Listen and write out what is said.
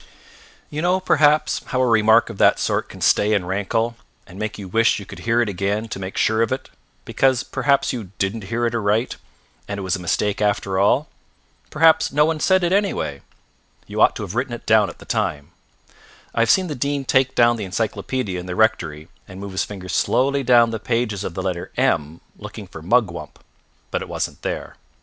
You know, perhaps, how a remark of that sort can stay and rankle, and make you wish you could hear it again to make sure of it, because perhaps you didn't hear it aright, and it was a mistake after all. Perhaps no one said it, anyway. You ought to have written it down at the time. I have seen the Dean take down the encyclopaedia in the rectory, and move his finger slowly down the pages of the letter M, looking for mugwump. But it wasn't there.